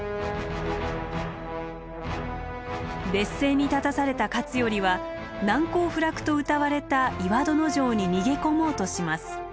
劣勢に立たされた勝頼は難攻不落とうたわれた岩殿城に逃げ込もうとします。